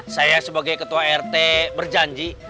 saya sebagai ketua rt berjanji